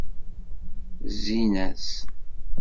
Zzin-as.